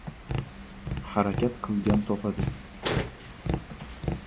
• Harakat qilgan topadi.